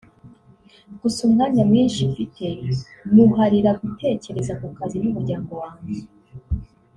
gusa umwanya mwinshi mfite nywuharira gutekereza ku kazi n’umuryango wanjye